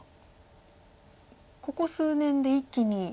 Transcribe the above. ここ数年で一気に。